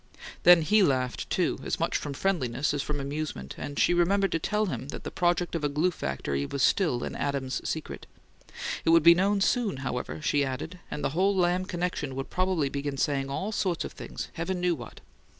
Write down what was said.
Then he laughed, too, as much from friendliness as from amusement; and she remembered to tell him that the project of a glue factory was still "an Adams secret." It would be known soon, however, she added; and the whole Lamb connection would probably begin saying all sorts of things, heaven knew what!